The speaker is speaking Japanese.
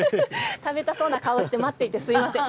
食べたそうな顔をして待っていてすみません。